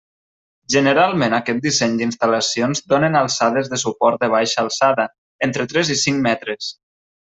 Generalment aquest disseny d'instal·lacions donen alçades de suport de baixa alçada, entre tres i cinc metres.